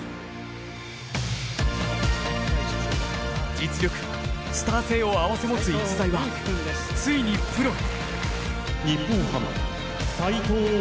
実力、スター性を併せ持つ逸材は、ついにプロへ。